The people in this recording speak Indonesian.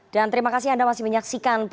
dan terima kasih anda masih menyaksikan